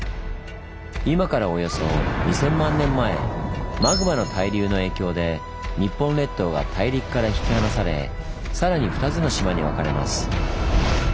今からおよそ２，０００万年前マグマの対流の影響で日本列島が大陸から引き離されさらに２つの島に分かれます。